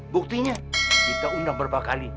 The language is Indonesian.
buktinya kita undang berapa kali